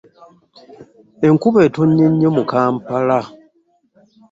Enkuba etonnye nnyo mu Kampala.